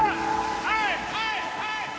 はいはいはい。